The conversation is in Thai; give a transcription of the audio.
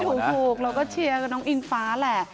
ถูกเราก็เชียร์กับน้องอิงฟ้าแหละ